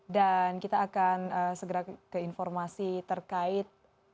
dan kita akan segera ke informasi terkait